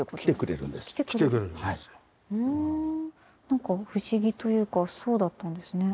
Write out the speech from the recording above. なんか不思議というかそうだったんですね。